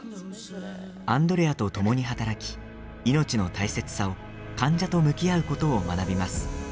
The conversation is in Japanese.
アンドレアとともに働き命の大切さを患者と向き合うことを学びます。